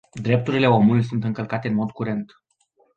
Drepturile omului sunt încălcate în mod curent.